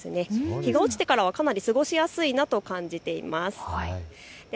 日が落ちてからかなり過ごしやすいなと感じています。